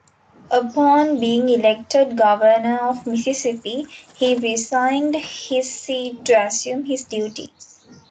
Upon being elected governor of Mississippi, he resigned his seat to assume his duties.